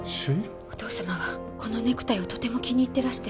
お義父様はこのネクタイをとても気に入ってらして